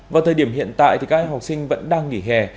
vào thời điểm hiện tại các học sinh vẫn đang nghỉ hè